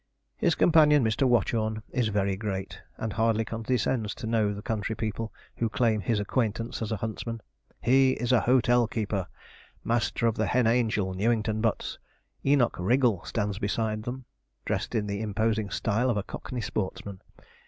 His companion, Mr. Watchorn, is very great, and hardly condescends to know the country people who claim his acquaintance as a huntsman. He is a Hotel Keeper master of the Hen Angel, Newington Butts. Enoch Wriggle stands beside them, dressed in the imposing style of a cockney sportsman.